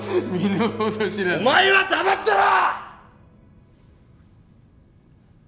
お前は黙ってろ！！